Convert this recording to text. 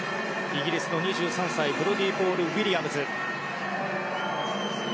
イギリスの２３歳ブロディー・ポール・ウィリアムズ。